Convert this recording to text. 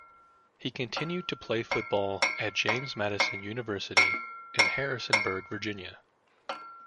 He continue to play football at James Madison University in Harrisonburg, Virginia.